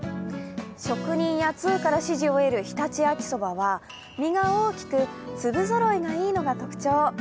職人や通から支持を得る常陸秋そばは実が大きく、粒ぞろいがいいのが特徴。